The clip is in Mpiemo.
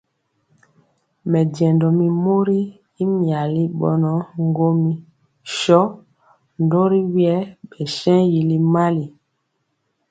Mɛnjéndɔ mi mori y miali bɔnɔ ŋguomi sho ndori wiɛɛ bɛ shen yili mali.